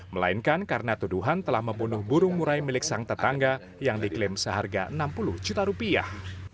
melainkan karena tuduhan telah membunuh burung murai milik sang tetangga yang diklaim seharga enam puluh juta rupiah